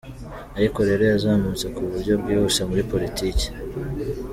Ariko rero yazamutse ku buryo bwihuse muri politiki.